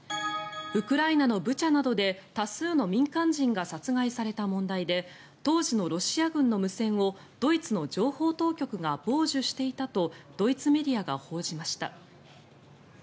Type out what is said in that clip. ウクライナのブチャなどで多数の民間人が殺害された問題で当時のロシア軍の無線をドイツの情報当局が傍受していたとドイツメディアが報じました。